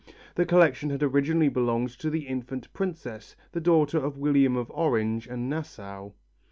The collection had originally belonged to the infant princess, the daughter of William of Orange and Nassau.